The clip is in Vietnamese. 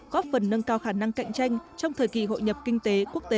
góp phần nâng cao khả năng cạnh tranh trong thời kỳ hội nhập kinh tế quốc tế